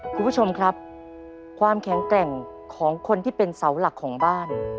คุณผู้ชมครับความแข็งแกร่งของคนที่เป็นเสาหลักของบ้าน